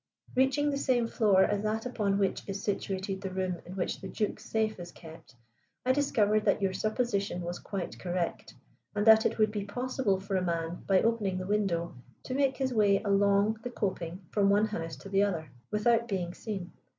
"Reaching the same floor as that upon which is situated the room in which the Duke's safe is kept, I discovered that your supposition was quite correct, and that it would be possible for a man, by opening the window, to make his way along the coping from one house to the other, without being seen.